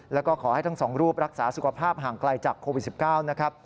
แล้วก็ขอให้ทั้งสองรูปรักษาสุขภาพห่างไกลจากโควิด๑๙นะครับ